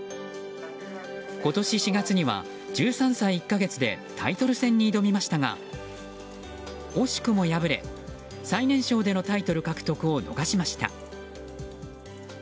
今年４月には１３歳１か月でタイトル戦に挑みましたが惜しくも敗れ、最年少でのタイトル獲得を逃しました。